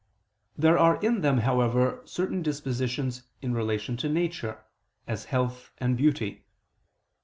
There are in them, however, certain dispositions in relation to nature, as health and beauty.